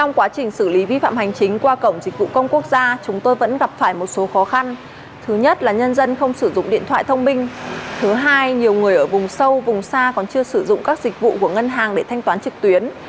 trong quá trình xử lý vi phạm hành chính qua cổng dịch vụ công quốc gia chúng tôi vẫn gặp phải một số khó khăn thứ nhất là nhân dân không sử dụng điện thoại thông minh thứ hai nhiều người ở vùng sâu vùng xa còn chưa sử dụng các dịch vụ của ngân hàng để thanh toán trực tuyến